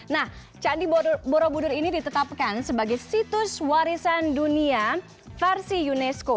nah candi borobudur ini ditetapkan sebagai situs warisan dunia versi unesco